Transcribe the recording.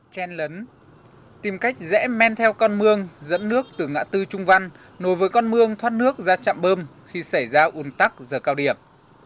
trên lấn tìm cách dễ men theo con mương dẫn nước từ ngã tư trung văn nối với con mương thoát nước ra chạm bơm khi xảy ra ùn tắc giờ cao điểm